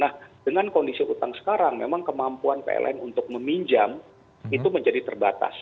nah dengan kondisi utang sekarang memang kemampuan pln untuk meminjam itu menjadi terbatas